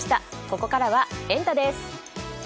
ここからはエンタ！です。